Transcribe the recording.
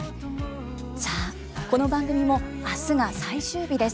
さあこの番組も明日が最終日です。